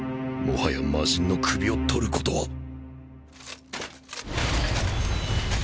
もはや魔神の首をとることは